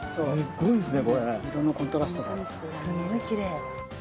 すんごいきれい。